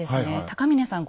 高峰さん